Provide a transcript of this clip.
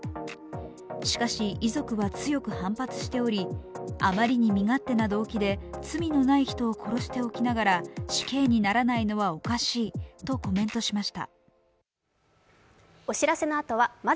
しかし、遺族は強く反発しており、あまりに身勝手な動機で罪のない人を殺しておきながら死刑にならないのはおかしいとコメントしました。